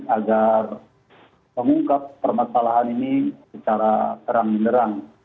agar mengungkap permasalahan ini secara terang benerang